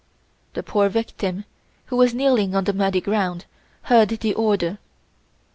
This poor victim, who was kneeling on the muddy ground, heard the order.